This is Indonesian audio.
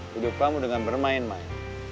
hidup kamu dengan bermain main